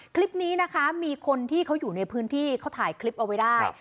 คลิปนี้นะคะมีคนที่เขาอยู่ในพื้นที่เขาถ่ายคลิปเอาไว้ได้